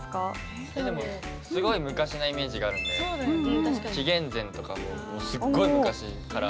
でもすごい昔なイメージがあるんで紀元前とかすっごい昔から。